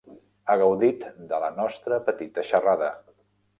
He gaudit de la nostra petita xerrada.